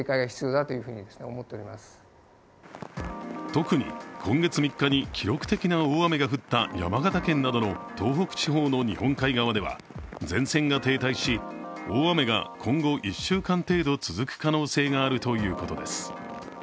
特に今月３日に、記録的な大雨が降った山形県などの東北地方の日本海側では前線が停滞し大雨が今後１週間程度続く可能性があるということです。